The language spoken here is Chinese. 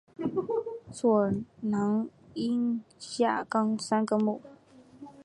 座囊菌亚纲三个目。